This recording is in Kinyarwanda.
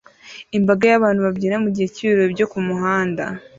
Imbaga y'abantu babyina mugihe cy'ibirori byo kumuhanda